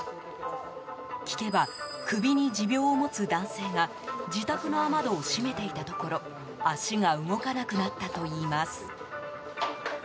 聞けば、首に持病を持つ男性が自宅の雨戸を閉めていたところ足が動かなくなったといいます。